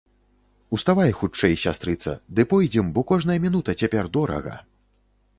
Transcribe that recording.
Уставай хутчэй, сястрыца, ды пойдзем, бо кожная мінута цяпер дорага!